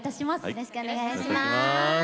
よろしくお願いします。